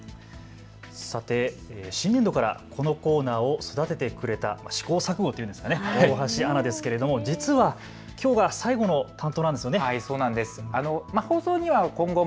さて、新年度からこのコーナーを育ててくれた、試行錯誤というんですかね、大橋アナなんですけれども実はきょうが最後の担当なんですよね。